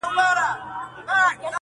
سل توپکه به په یو کتاب سودا کړو,